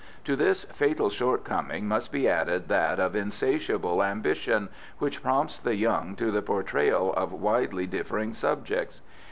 To this fatal shortcoming must be added that of insatiable ambition, which prompts the young to the portrayal of widely differing subjects.